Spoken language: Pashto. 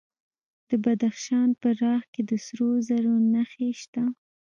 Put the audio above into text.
د بدخشان په راغ کې د سرو زرو نښې شته.